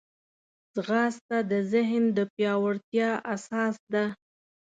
ځغاسته د ذهن د پیاوړتیا اساس ده